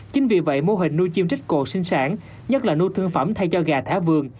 chính vì vậy mô hình nuôi chim trích cổ sinh sản nhất là nuôi thương phẩm thay cho gà thả vườn